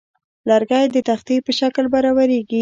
لرګی د تختې په شکل برابریږي.